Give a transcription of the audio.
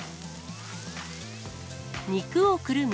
肉をくるむ